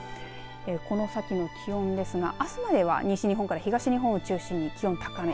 この先の気温ですが、あすまでは西日本から東日本を中心に気温高め。